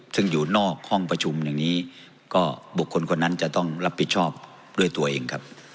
ซึ่งอยู่นอกห้องประชุมอย่างนี้ก็บุคคลคนนั้นจะต้องรับผิดชอบด้วยตัวเองครับ